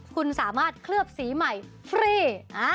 คุณสามารถเคลือบสีใหม่ฟรี